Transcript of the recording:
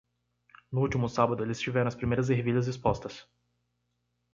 No último sábado eles tiveram as primeiras ervilhas expostas.